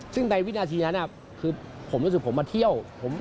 ซึ่งในวินาทีนั้นคือผมรู้สึกผมมาเที่ยว